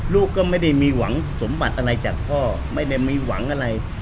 ลูกก็ไม่ได้มีหวังสมบัติอะไรจากพ่อไม่ได้มีหวังอะไร